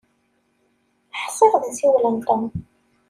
Ḥsiɣ d asiwel n Tom.